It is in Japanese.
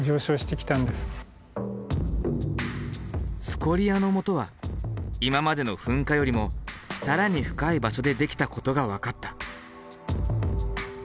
スコリアのもとは今までの噴火よりも更に深い場所でできたことが分かった。